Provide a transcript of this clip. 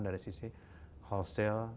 dari sisi wholesale